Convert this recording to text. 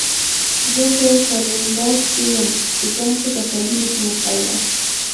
زه په ستالینګراډ کې یم چې ځان ته تسلي نشم ورکولی